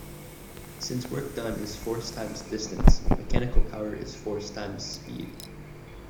Since work done is force times distance, mechanical power is force times speed.